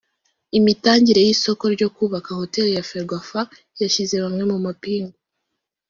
Imitangire y’isoko ryo kubaka hoteli ya Ferwafa yashyize bamwe mu mapingu